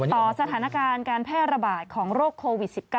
ต่อสถานการณ์การแพร่ระบาดของโรคโควิด๑๙